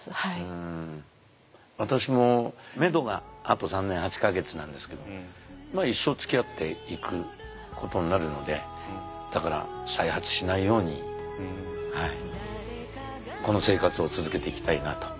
私もめどがあと３年８か月なんですけど一生つきあっていくことになるのでだから再発しないようにこの生活を続けていきたいなと。